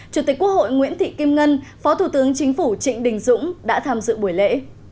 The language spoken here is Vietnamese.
chủ tịch quốc hội nguyễn thị kim ngân phó thủ tướng chính phủ trịnh đình dũng đã tham dự buổi lễ